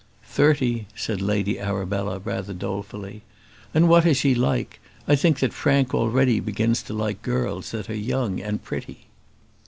"Thirty," said Lady Arabella, rather dolefully. "And what is she like? I think that Frank already begins to like girls that are young and pretty."